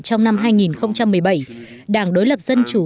trong năm hai nghìn một mươi bảy đảng đối lập dân chủ